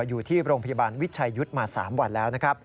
อยู่ที่โรงพยาบาลวิชัยยุทธ์มา๓วันแล้วนะครับ